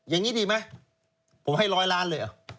อย่างนี้ดีไหมผมให้๑๐๐ล้านเลย